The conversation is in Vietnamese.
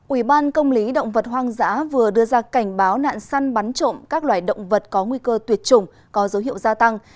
ủy ban công lý động vật hoang dã vừa đưa ra cảnh báo nạn săn bắn trộm các loài động vật có nguy cơ tuyệt chủng có dấu hiệu gia tăng